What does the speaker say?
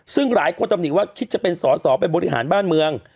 ซึ่งหลายคนตำหนิว่าคิดจะเป็นสอสอไปบริหารบ้านเมือง